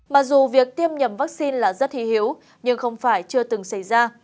mặc dù việc tiêm nhầm vaccine là rất hí híu nhưng không phải chưa từng xảy ra